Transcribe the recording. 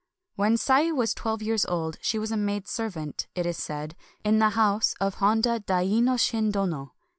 When Sei was twelve years old she was a maid servant, it is said, in the house of Honda Dainoshin Dono.